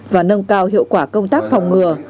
và nâng cao hiệu quả công tác phòng ngừa